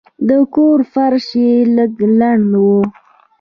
د کور فرش یې لږ لند و.